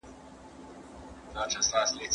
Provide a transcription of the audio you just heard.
نه اسمان نه مځکه وینم خړي دوړي پورته کېږي